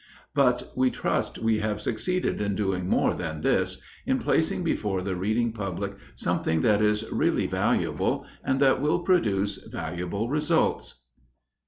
But we trust we have succeeded in doing more than this in placing before the reading public something that is really valuable, and that will produce valuable results.